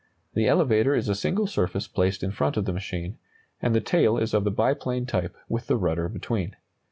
The elevator is a single surface placed in front of the machine, and the tail is of the biplane type with the rudder between.